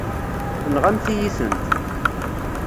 Tenɣamt-iyi-tent.